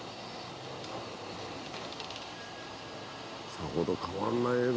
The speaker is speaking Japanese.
「さほど変わらない映像」